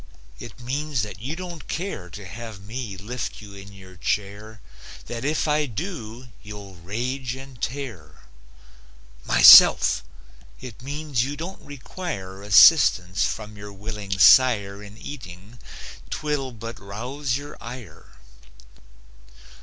It means that you don't care To have me lift you in your chair; That if I do, you'll rage and tear. "MYSELF!" It means you don't require Assistance from your willing sire In eating; 'twill but rouse your ire.